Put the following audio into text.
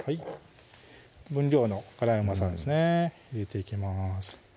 分量のガラムマサラですね入れていきます